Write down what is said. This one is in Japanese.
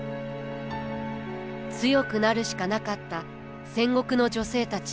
強くなるしかなかった戦国の女性たち。